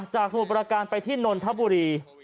สมุทรประการไปที่นนทบุรี